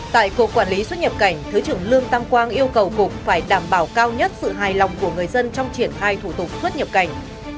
tại cuộc quản lý xuất nhập cảnh thứ trưởng lương tam quang yêu cầu cục phải đảm bảo cao nhất sự hài lòng của người dân trong triển khai thủ tục xuất nhập cảnh